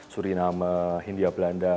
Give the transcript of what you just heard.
suriname hindia belanda